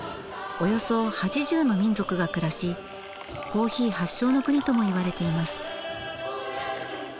およそ８０の民族が暮らしコーヒー発祥の国とも言われています。